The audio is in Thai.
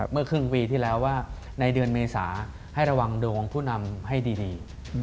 เมื่อครึ่งปีที่แล้วว่าในเดือนเมษาให้ระวังดวงผู้นำให้ดี